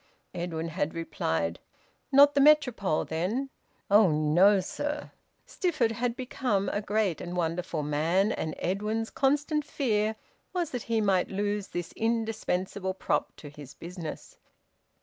Edwin had replied: "Not the Metropole, then?" "Oh no, sir!" Stifford had become a great and wonderful man, and Edwin's constant fear was that he might lose this indispensable prop to his business.